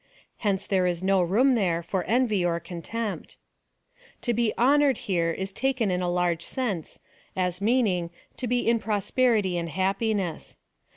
Hence there is no room there for envy or contempt." To be honoured, here, is taken in a large sense, as meaning, to be in pro sperity mid happiness.